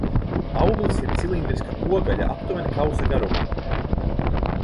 Auglis ir cilindriska pogaļa aptuveni kausa garumā.